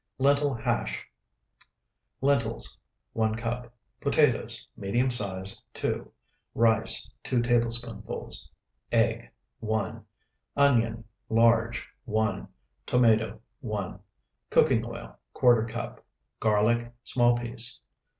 LENTIL HASH Lentils, 1 cup. Potatoes, medium size, 2. Rice, 2 tablespoonfuls. Egg, 1. Onion, large, 1. Tomato, 1. Cooking oil, ¼ cup. Garlic, small piece.